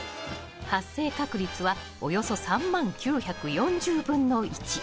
発生確率は約３万９４０分の１。